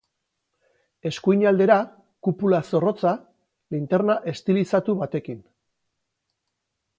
Eskuinaldera, kupula zorrotza, linterna estilizatu batekin.